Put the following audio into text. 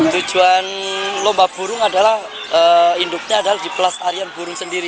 tujuan lomba burung adalah induknya adalah di pelestarian burung sendiri